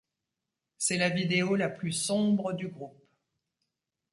C'est la vidéo la plus sombre du groupe.